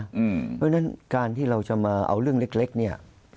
เพราะฉะนั้นการที่เราจะมาเอาเรื่องเล็กเนี่ย